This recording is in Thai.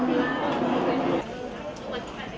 โปรดติดตามต่อไป